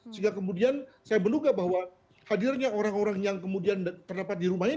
sehingga kemudian saya menduga bahwa hadirnya orang orang yang kemudian terdapat di rumah ini